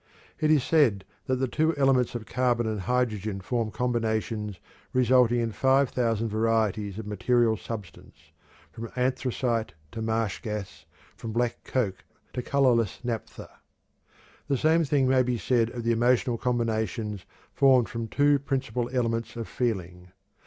It is said that the two elements of carbon and hydrogen form combinations resulting in five thousand varieties of material substance, "from anthracite to marsh gas, from black coke to colorless naphtha." The same thing may be said of the emotional combinations formed from two principal elements of feeling.